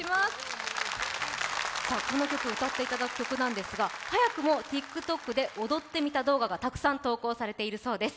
この曲、歌っていただくということですが早くもＴｉｋＴｏｋで「踊ってみた」動画がたくさん投稿されているそうです。